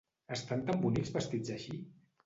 Estan tan bonics vestits així!